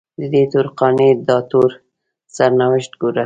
ددې تور قانع داتور سرنوشت ګوره